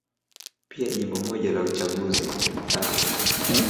Pia Jimbo moja la uchaguzi, Tharaka.